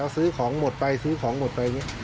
ซื้อของหมดไปซื้อของหมดไป